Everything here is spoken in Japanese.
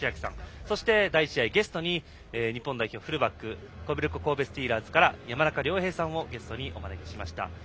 そして、第１試合ゲストに日本代表フルバックコベルコ神戸スティーラーズから山中亮平さんをゲストにお招きしました。